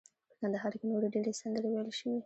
په کندهار کې نورې ډیرې سندرې ویل شوي.